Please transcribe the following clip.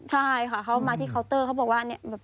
ใช่ค่ะเขามาที่เคาน์เตอร์เขาบอกว่าเนี่ย